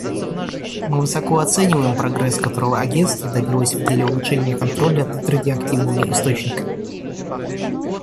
Мы высоко оцениваем прогресс, которого Агентство добилось в деле улучшения контроля над радиоактивными источниками.